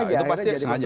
itu pasti sengaja